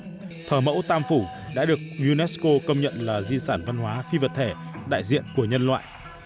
thờ mẫu tam phủ đã được unesco công nhận là di sản văn hóa phi vật thể đại diện của nhân loại